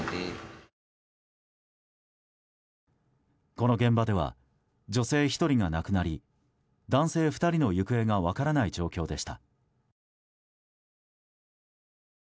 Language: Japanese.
この現場では女性１人が亡くなり男性２人の行方が分からない状況でした。